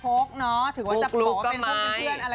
โป๊กเนาะถึงว่าจะบอกว่าเป็นคู่เพื่อนอะไรก็แล้ว